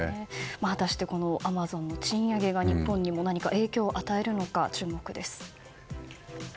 果たしてアマゾンの賃上げが日本にも影響を与えるのか注目です。